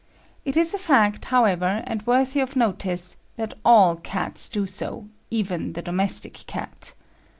It is a fact, however, and worthy of notice, that all cats do so, even the domestic cat.